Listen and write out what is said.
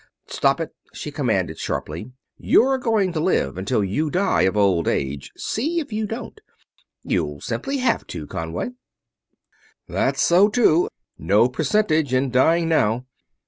"Stop it!" she commanded, sharply. "You're going to live until you die of old age see if you don't. You'll simply have to, Conway!" "That's so, too no percentage in dying now.